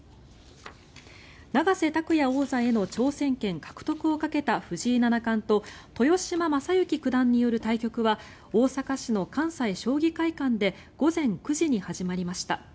永瀬拓矢王座への挑戦権獲得をかけた藤井七冠と豊島将之九段による対局は大阪市の関西将棋会館で午前９時に始まりました。